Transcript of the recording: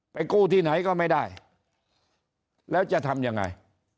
กู้ที่ไหนก็ไม่ได้แล้วจะทำยังไง